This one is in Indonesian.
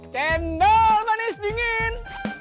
cendol manis dingin